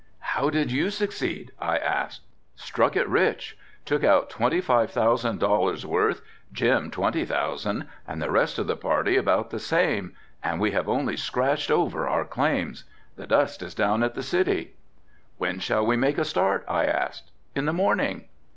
"How did you succeed?" I asked. "Struck it rich, took out twenty five thousand dollars worth, Jim twenty thousand, and the rest of the party about the same and we have only scratched over our claims. The dust is down at the city." "When shall we make a start?" I asked. "In the morning."